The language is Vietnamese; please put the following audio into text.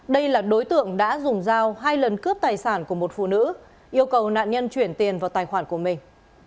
đây là đối tượng đã dùng dao hai lần cướp tài sản của một phụ nữ yêu cầu nạn nhân chuyển tiền vào tài khoản của mình